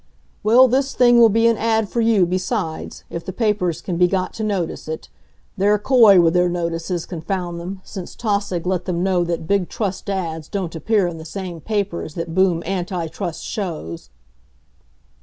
"Well, this thing will be an ad for you, besides, if the papers can be got to notice it. They're coy with their notices, confound them, since Tausig let them know that big Trust ads don't appear in the same papers that boom anti Trust shows!"